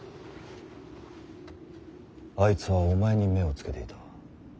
あいつはお前に目をつけていた。